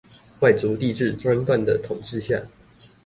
外族帝制專斷的統治下